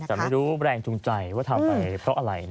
แต่ไม่รู้แรงจูงใจว่าทำไปเพราะอะไร